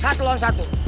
satu lawan satu